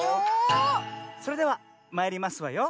それではまいりますわよ。